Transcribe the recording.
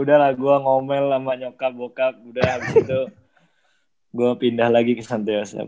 udah lah gue ngomel sama nyokap bokap udah abis itu gue pindah lagi ke santai yosep